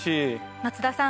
松田さん